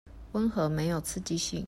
溫和沒有刺激性